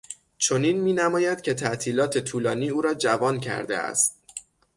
چنین مینماید که تعطیلات طولانی او را جوان کرده است.